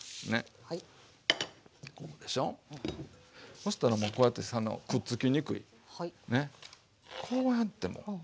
そしたらもうこうやってくっつきにくいねこうやってもう。